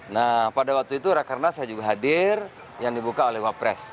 nah pada waktu itu rakernas saya juga hadir yang dibuka oleh wapres